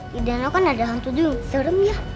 di danau kan ada hantu duyung serem ya